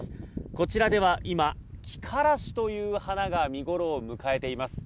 こちらでは今キカラシという花が見ごろを迎えています。